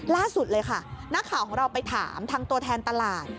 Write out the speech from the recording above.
ล่าสุดเลยค่ะนักข่าวของเราไปถามทางตัวแทนตลาด